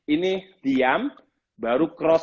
ini diam baru cross